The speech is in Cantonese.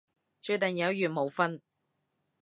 注定有緣冇瞓